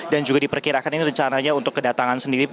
dan juga diperkirakan ini rencananya untuk kedatangan sendiri